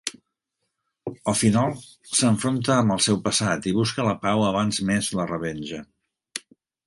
Al final, s'enfronta amb el seu passat i busca la pau abans més la revenja.